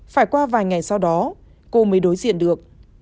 phải qua vài ngày sau đó cô mới đối diện được